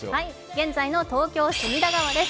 現在の東京・隅田川です。